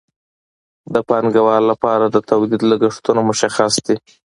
د پانګوال لپاره د تولید لګښتونه مشخص دي